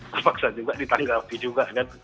terus paksa juga ditangkap juga kan